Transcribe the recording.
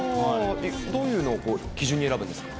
どういうのを基準に選ぶんですか。